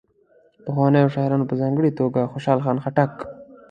پخوانیو شاعرانو په ځانګړي توګه خوشال خان خټک.